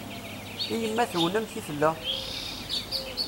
I yemma-twen amek i tella?